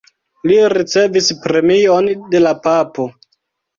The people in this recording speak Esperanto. Li ricevis premion de la papo.